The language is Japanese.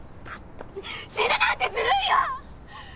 死ぬなんてずるいよ！